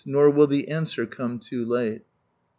Nor will the answer come too late."